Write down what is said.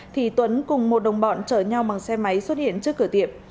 thì tuấn cùng một đồng bọn chở nhau bằng xe máy xuất hiện trước cửa tiệm